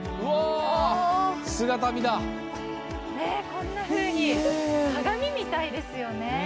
こんなふうに鏡みたいですよね。